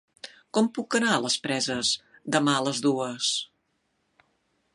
Com puc anar a les Preses demà a les dues?